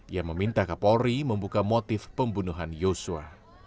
ia meminta kapolri membuka motif pembunuhan yosua